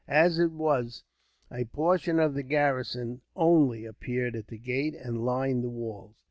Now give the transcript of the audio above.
As it was, a portion of the garrison, only, appeared at the gate and lined the walls.